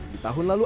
di tahun lalu